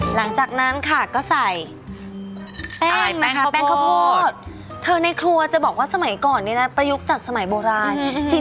หลังจากนั้นค่ะก็ใส่แป้งนะคะแป้งข้าวโพดเธอในครัวจะบอกว่าสมัยก่อนเนี่ยนะประยุกต์จากสมัยโบราณ